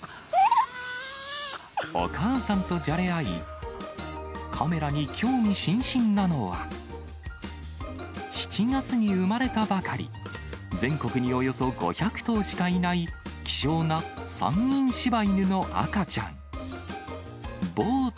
お母さんとじゃれ合い、カメラに興味津々なのは、７月に生まれたばかり、全国におよそ５００頭しかいない希少な山陰柴犬の赤ちゃん。